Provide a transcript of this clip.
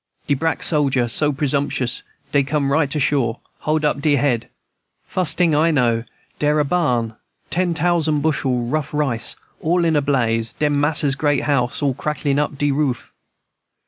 "De brack sojer so presumptious, dey come right ashore, hold up dere head. Fus' ting I know, dere was a barn, ten tousand bushel rough rice, all in a blaze, den mas'r's great house, all cracklin' up de roof.